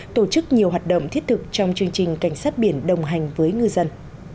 tổ chức nhiều hoạt động thiết thực trong chương trình cảnh sát biển đồng hành với ngư dân